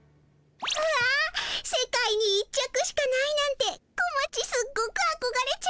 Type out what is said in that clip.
うわ世界に一着しかないなんてこまちすっごくあこがれちゃう。